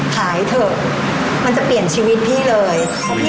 มันต้องมีจุดอ่ะ